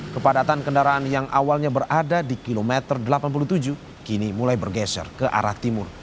kepadatan kendaraan yang awalnya berada di kilometer delapan puluh tujuh kini mulai bergeser ke arah timur